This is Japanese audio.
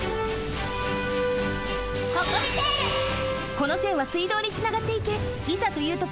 このせんはすいどうにつながっていていざというとき